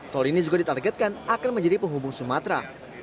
tol ini juga ditargetkan akan menjadi penghubung sumatera